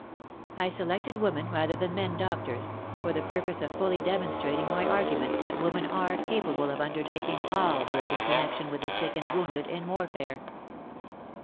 I selected women rather than men doctors, for the purpose of fully demonstrating my argu ment that women are capable of undertaking all work in connection with the sick and wounded in warfare.